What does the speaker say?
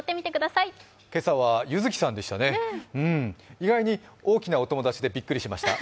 意外に大きなお友達でびっくりしました。